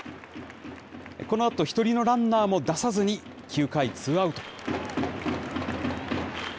このあと、一人のランナーも出さずに、９回ツーアウト。